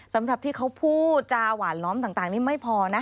สำหรับที่เขาพูดจาหวานล้อมต่างนี่ไม่พอนะ